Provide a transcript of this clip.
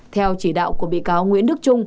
theo chỉ đạo của bị cáo nguyễn đức